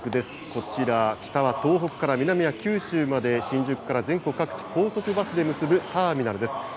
こちら、北は東北から南は九州まで、新宿から全国各地、高速バスで結ぶターミナルです。